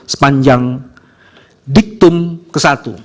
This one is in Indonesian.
sembilan belas sepanjang diktum ke satu